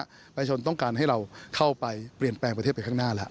ประชาชนต้องการให้เราเข้าไปเปลี่ยนแปลงประเทศไปข้างหน้าแล้ว